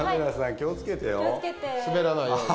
・気を付けて・滑らないように。